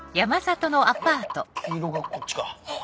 黄色がこっちか・・あっ